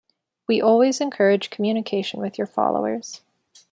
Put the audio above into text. We always encourage communication with your followers.